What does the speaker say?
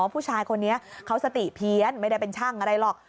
ผู้ชายคนนี้เขาสติเพี้ยนไม่ได้เป็นช่างอะไรหรอก